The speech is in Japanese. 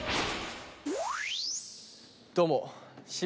どうも。